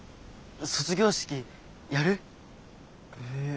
卒業式やる？ええ？